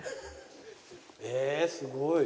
えすごい！